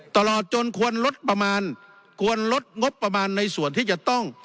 ตลอดจนควรลดประมาณควรลดงบประมาณในส่วนที่จะต้อง